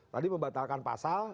tadi membatalkan pasal